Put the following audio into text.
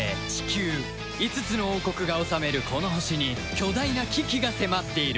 ５つの王国が治めるこの星に巨大な危機が迫っている